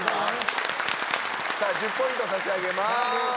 さあ１０ポイント差し上げます。